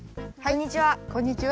こんにちは！